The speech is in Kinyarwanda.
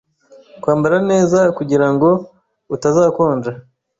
Kwambara neza kugirango utazakonja.